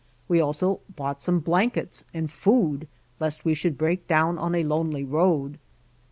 We also bought some blankets and food lest we should break down on a lonely road.